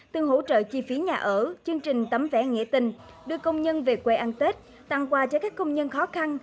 từ hỗ trợ chi phí nhà ở chương trình tắm vẽ nghệ tình đưa công nhân về quê ăn tết tặng quà cho các công nhân khó khăn